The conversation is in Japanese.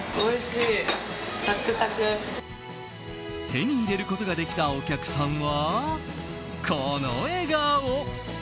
手に入れることができたお客さんは、この笑顔。